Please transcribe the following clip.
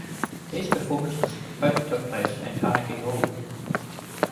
These performances both took place in Carnegie Hall.